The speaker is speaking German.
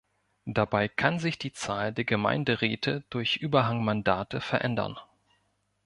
Dabei kann sich die Zahl der Gemeinderäte durch Überhangmandate verändern.